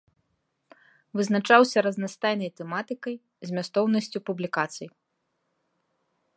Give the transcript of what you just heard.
Вызначаўся разнастайнай тэматыкай, змястоўнасцю публікацый.